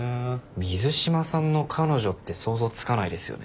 水島さんの彼女って想像つかないですよね。